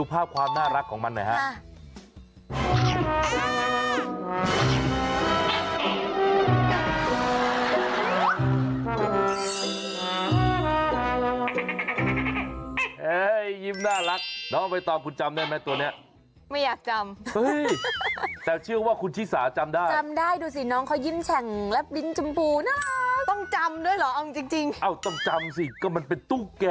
เพราะมีสัตว์เลี้ยงเหรอคะใช่ไปดูภาพความน่ารักของมันหน่อยฮะ